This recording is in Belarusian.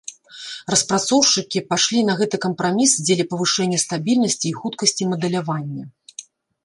Распрацоўшчыкі пайшлі на гэты кампраміс дзеля павышэння стабільнасці і хуткасці мадэлявання.